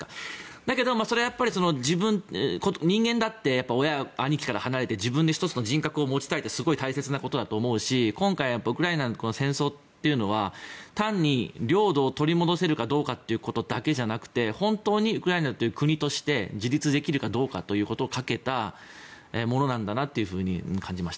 だけどそれは人間だって親、兄貴から離れて自分で１つの人格を持ちたいってすごく大切なことだと思うし今回ウクライナの戦争っていうのは単に領土を取り戻せるかどうかということだけじゃなくて本当にウクライナという国として自立できるかどうかということをかけたものなんだなと感じました。